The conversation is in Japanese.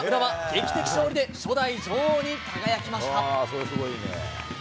劇的勝利で初代女王に輝きました。